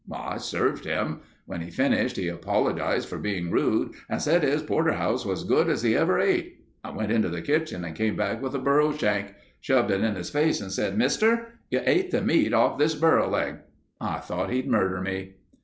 I served him. When he finished he apologized for being rude and said his porterhouse was good as he ever ate. I went into the kitchen and came back with a burro shank, shoved it in his face and said, 'Mister, you ate the meat off this burro leg.' I thought he'd murder me."